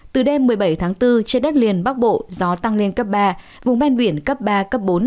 từ đêm một mươi bảy tháng bốn trên đất liền bắc bộ gió tăng lên cấp ba vùng ven biển cấp ba cấp bốn